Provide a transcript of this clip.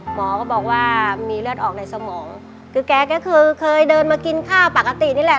หมอก็บอกว่ามีเลือดออกในสมองคือแกก็คือเคยเดินมากินข้าวปกตินี่แหละ